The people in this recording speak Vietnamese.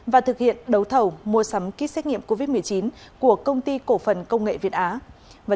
và thực hiện đấu thầu mua sắm kit xét nghiệm covid một mươi chín của công ty cổ phần công nghệ việt á